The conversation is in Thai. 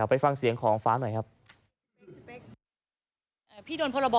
ไปฟังเสียงของฟ้าหน่อยครับ